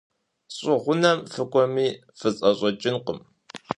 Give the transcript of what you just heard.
ЩӀы гъунэм фыкӀуэми, фысӀэщӀэкӀынкъым.